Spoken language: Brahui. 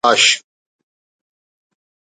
لاش